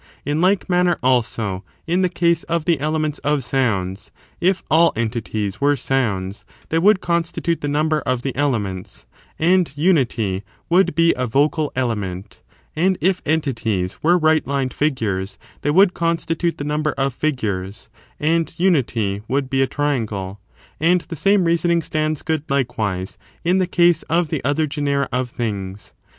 In like manner, also, in the case of the elements of sounds, if all entities were sounds they would constitute the number of the elements, and unity would be a vocal element; and if entities were right lined figures they would constitute the number of figures, and unity would be a triangle : and the same reason ing stands good, likewise, in the case of the other genera of things.